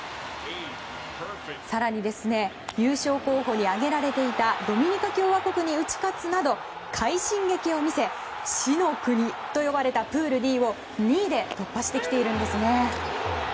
更に優勝候補に挙げられていたドミニカ共和国に打ち勝つなど快進撃を見せ、死の組と呼ばれたプールＤを２位で突破してきているんですね。